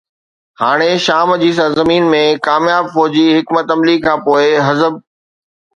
هاڻي شام جي سرزمين ۾ ڪامياب فوجي حڪمت عملي کانپوءِ حزب